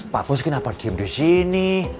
pak buz kenapa diam disini